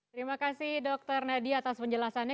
terima kasih dokter nadia atas penjelasannya